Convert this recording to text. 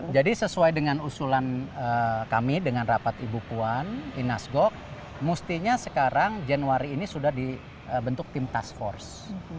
jadi sesuai dengan usulan kami dengan rapat ibu puan inas gok mustinya sekarang januari ini sudah dibentuk tim task force